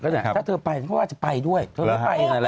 ถ้าเธอไปก็ว่าจะไปด้วยเธอไม่ได้ไปกันแหละ